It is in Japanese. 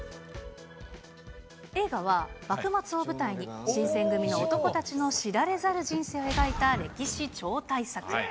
映画は幕末を舞台に、新選組の男たちの知られざる人生を描いた歴史超大作。